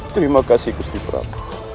terima kasih gusti prabu